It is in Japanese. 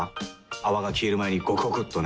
泡が消える前にゴクゴクっとね。